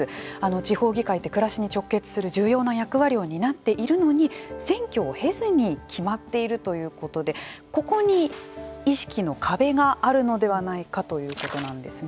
地方議会って暮らしに直結する重要な役割を担っているのに選挙を経ずに決まっているということでここに意識の壁があるのではないかということなんですね。